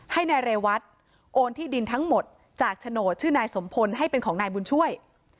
ให้นายเรวัตโอนที่ดินทั้งหมดจากโฉนดชื่อนายสมพลให้เป็นของนายบุญช่วย